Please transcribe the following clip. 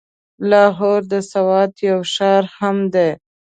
لاهور د سوات يو ښار هم دی.